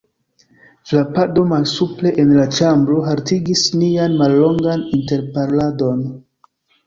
Frapado malsupre en la ĉambro haltigis nian mallongan interparoladon.